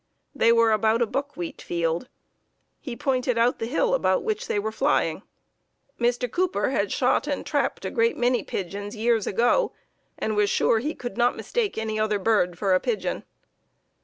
They were about a buckwheat field. He pointed out the hill about which they were flying. Mr. Cooper had shot and trapped a great many pigeons years ago, and was sure he could not mistake any other bird for a pigeon.